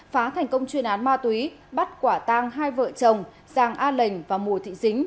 phá thành công chuyên án ma túy bắt quả tang hai vợ chồng giàng a lệnh và mùa thị dính